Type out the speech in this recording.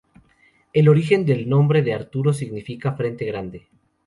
El origen del nombre de Arturo significa frente grande.